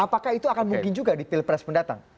apakah itu akan mungkin juga di pilpres mendatang